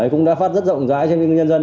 cũng đã phát rất rộng rãi cho những nhân dân